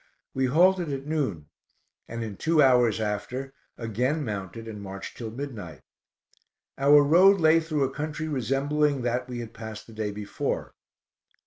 We halted at noon, and in two hours after again mounted, and marched till midnight. Our road lay through a country resembling that we had passed the day before.